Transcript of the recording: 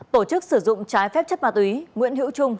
tổ chức sử dụng trái phép chất ma túy nguyễn hữu trung